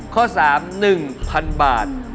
ข้อสาม๑๐๐๐บาท